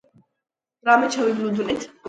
აღიარებულია სექს სიმბოლოდ.